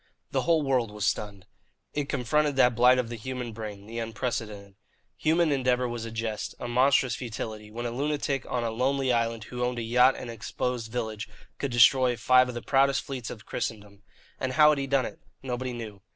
The whole world was stunned. It confronted that blight of the human brain, the unprecedented. Human endeavour was a jest, a monstrous futility, when a lunatic on a lonely island, who owned a yacht and an exposed village, could destroy five of the proudest fleets of Christendom. And how had he done it? Nobody knew.